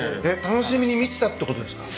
楽しみに満ちたってことですか？